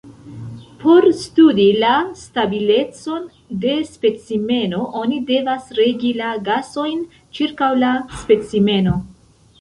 Por studi la stabilecon de specimeno oni devas regi la gasojn ĉirkaŭ la specimeno.